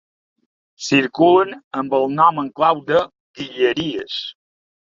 Circulen amb el nom en clau de ‘Guilleries’.